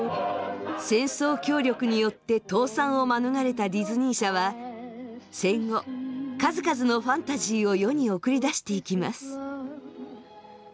戦争協力によって倒産を免れたディズニー社は戦後数々のファンタジーを世に送り出していきます。